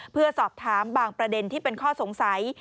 เพื่อสอบถามบางประเด็นที่เป็นข้อสงสัย